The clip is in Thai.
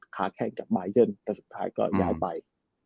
แข้งกับมายันแต่สุดท้ายก็ย้ายไป